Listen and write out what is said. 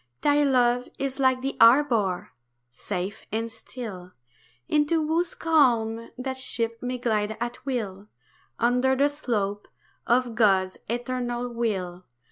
Thy love is like the harbour, safe and still, Into whose calm that ship may glide at will, Under the slope of God's Eternal Will.